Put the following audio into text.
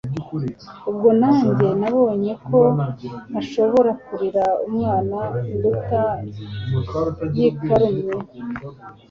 ubwo nanjye nabonye ko ntashobora kurira umwana nduta yikarumye